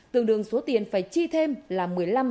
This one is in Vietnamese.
tương đương số tiền phải chi thêm là một mươi năm hai mươi sáu